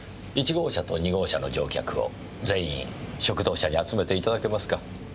１号車と２号車の乗客を全員食堂車に集めて頂けますか。